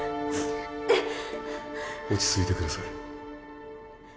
落ち着いて下さい。